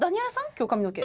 今日髪の毛。